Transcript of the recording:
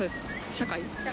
社会。